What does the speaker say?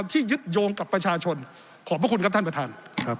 ที่ยึดโยงกับประชาชนขอบพระคุณครับท่านประธาน